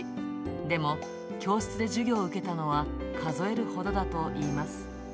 でも、教室で授業を受けたのは数えるほどだといいます。